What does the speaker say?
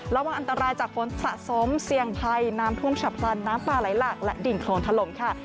แล้ววางอันตรายจากฝนสะสมเสียงไพน้ำท่วงฉับตันน้ำปลาไล่หลักและดิ่งโครงถลมค่ะ